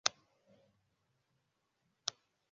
Itsinda ryabana bambaye imyenda yubururu bicaye ku ntambwe